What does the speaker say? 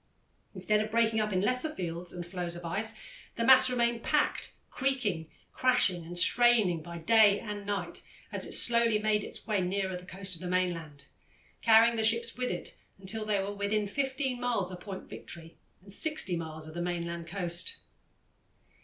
Instead of breaking up in lesser fields and floes of ice, the mass remained packed, creaking, crashing, and straining by night and day as it slowly made its way nearer the coast of the mainland, carrying the ships with it until they were within 15 miles of Point Victory, and 60 miles of the mainland coast.